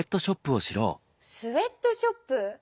「スウェットショップ」？